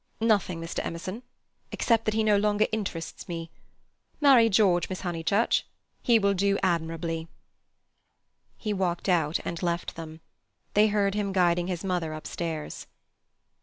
"Nothing, Mr. Emerson, except that he no longer interests me. Marry George, Miss Honeychurch. He will do admirably." He walked out and left them. They heard him guiding his mother up stairs.